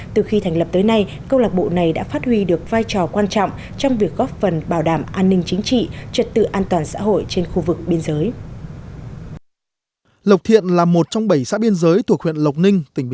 từ khi thành lập tới nay câu lạc bộ này đã phát huy được vai trò quan trọng trong việc góp phần bảo đảm an ninh chính trị trật tự an toàn xã hội trên khu vực biên giới